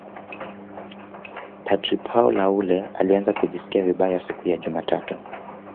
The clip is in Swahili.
padre Paul Haule alianza kujisikia vibaya siku ya jumatatu